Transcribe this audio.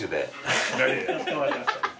かしこまりました。